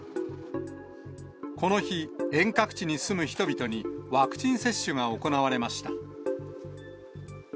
この日、遠隔地に住む人々にワクチン接種が行われました。